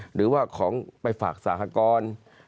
หรือว่าของไปฝากสหกร